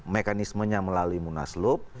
mekanismenya melalui munaslup